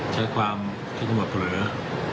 ใช้ความคิดขึ้นมาเพลิน